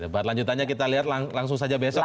debat lanjutannya kita lihat langsung saja besok